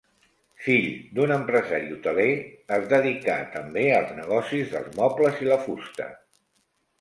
Fill d'un empresari hoteler, es dedicà també als negocis dels mobles i la fusta.